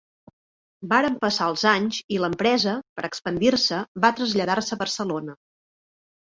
Varen passar els anys i l'empresa, per expandir-se, va traslladar-se a Barcelona.